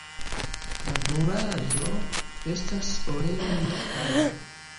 La brulaĵo estas oleo ne karbo.